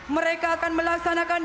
mereka akan melaksanakan